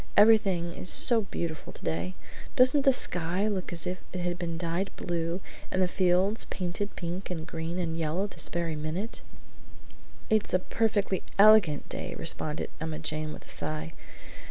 Everything is so beautiful today! Doesn't the sky look as if it had been dyed blue and the fields painted pink and green and yellow this very minute?" "It's a perfectly elegant day!" responded Emma Jane with a sigh.